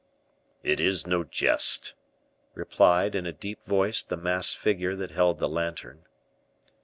"It is no jest," replied in a deep voice the masked figure that held the lantern.